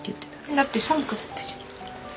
だって寒くなったじゃん。